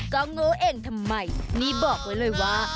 ก็โง่เองทำไมนี่บอกไว้เลยว่า